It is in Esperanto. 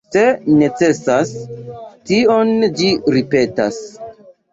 Se necesas tion ĝi ripetas.